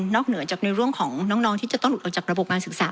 เหนือจากในเรื่องของน้องที่จะต้องหลุดออกจากระบบการศึกษา